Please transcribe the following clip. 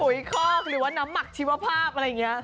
คอกหรือว่าน้ำหมักชีวภาพอะไรอย่างนี้